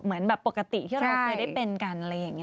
เหมือนแบบปกติที่เราเคยได้เป็นกันอะไรอย่างนี้